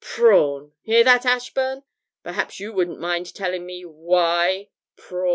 "Prawn"; hear that, Ashburn? Perhaps you wouldn't mind telling me why "Prawn"?'